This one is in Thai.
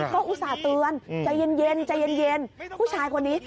ก็อุตส่าห์เตือนใจเย็นใจเย็นผู้ชายคนนี้